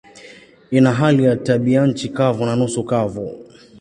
Ina hali ya tabianchi kavu na nusu kavu.